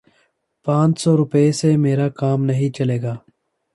پانچ سو روپے سے میرا کام نہیں چلے گا